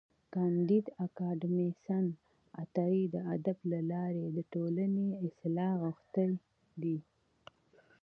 کانديد اکاډميسن عطایي د ادب له لارې د ټولني اصلاح غوښتې ده.